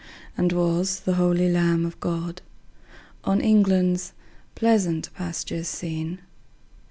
And was the holy Lamb of God On England's pleasant pastures seen?